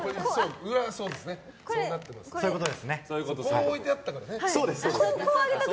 こう置いてあったからね。